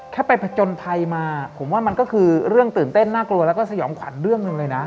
แค่ไปผจญภัยมาผมว่ามันก็คือเรื่องตื่นเต้นน่ากลัวแล้วก็สยองขวัญเรื่องหนึ่งเลยนะ